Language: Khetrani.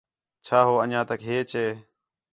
چَھا ہُُو انجیاں تک ھیچ ہے؟